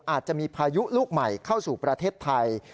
อาจจะมีพายุลูกใหม่เข้าสู่ประเทศไทย